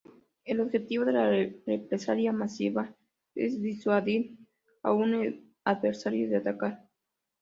El objetivo de la represalia masiva es disuadir a un adversario de atacar.